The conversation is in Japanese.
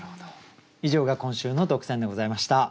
以上が今週の特選でございました。